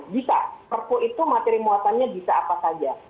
bisa perpu itu materi muatannya bisa apa saja